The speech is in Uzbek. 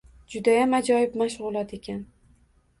Judayam ajoyib mashg‘ulot ekan.